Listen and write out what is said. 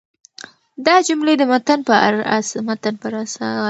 دا جملې د متن پر اساس جوړي سوي دي.